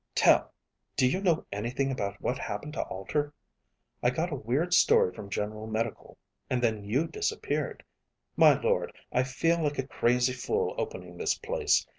"Tel, do you know anything about what happened to Alter? I got a weird story from General Medical. And then you disappeared. My lord, I feel like a crazy fool opening this place.